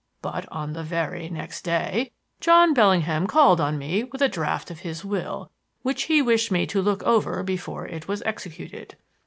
But on the very next day, John Bellingham called on me with a draft of his will which he wished me to look over before it was executed.